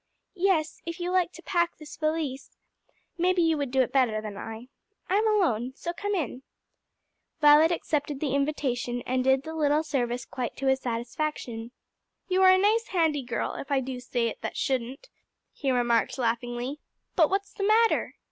"Yes, if you like to pack this valise. Maybe you would do it better than I. I'm alone, so come in." Violet accepted the invitation, and did the little service quite to his satisfaction. "You are a nice, handy girl, if I do say it that shouldn't," he remarked laughingly. "But what's the matter?"